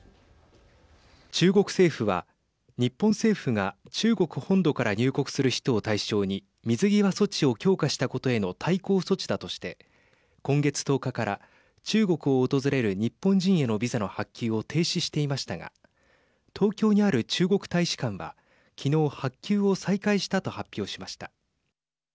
中国政府は日本政府が中国本土から入国する人を対象に水際措置を強化したことへの対抗措置だとして今月１０日から中国を訪れる日本人へのビザの発給を停止していましたが東京にある中国大使館は昨日発給を再開したと発表しました。